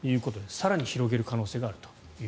更に広げる可能性があると。